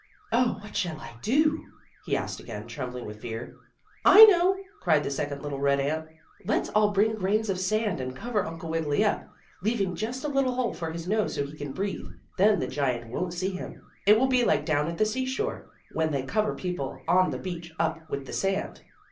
"Oh, what shall I do?" he asked again, trembling with fear. "I know!" cried the second little red ant. "Let's all bring grains of sand, and cover Uncle Wiggily up, leaving just a little hole for his nose, so he can breathe. Then the giant won't see him. It will be like down at the seashore, when they cover people on the beach up with the sand."